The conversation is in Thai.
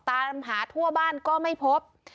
ตามหาทั่วบ้านก็ไม่พบ